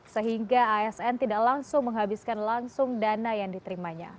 sehingga asn tidak langsung menghabiskan langsung dana yang diterimanya